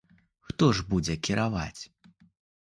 Хто ж будзе кіраваць?